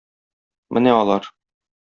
Менә алар...